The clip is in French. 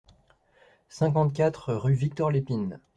cinquante-quatre rue Victor Lépine